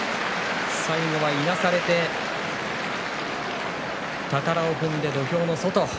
最後は、いなされて俵を踏んで土俵の外。